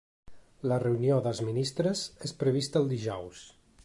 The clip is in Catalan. La reunió dels ministres és prevista el dijous.